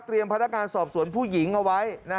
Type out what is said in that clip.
เตรียมพันธการสอบสวนผู้หญิงเอาไว้